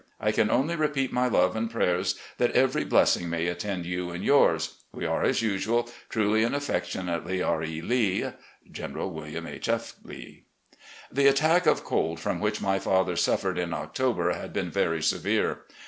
I can only repeat my love and prayers that every blessing may attend you and yours. We are as usual. "Truly and affectionately, "R. E. Lee. '^General William H. P. Lee." The attack of cold from which my father suffered in October had been very severe.